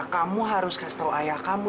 kamu harus kasih tahu ayah kamu